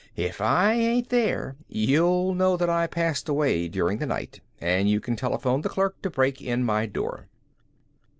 "If I ain't there, you'll know that I passed away during the night, and you can telephone the clerk to break in my door."